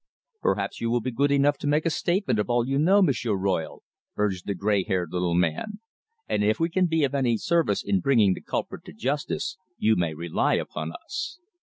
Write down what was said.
"Perhaps you will be good enough to make a statement of all you know, M'sieur Royle," urged the grey haired little man; "and if we can be of any service in bringing the culprit to justice, you may rely upon us."